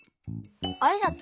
あいさつ？